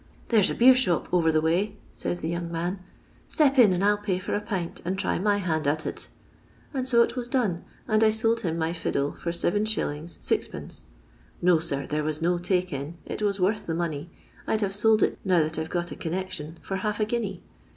' There 's a beershop over the way,' says the young man, ' step in, and I '11 pay for a pint, and try my hand at it.' And so it was done, and I sold him my fiddle for 7r. 6d. No, sir, there was no take in ; it was worth the money. I 'd have sold it now that I 've got a connection for half a guinea.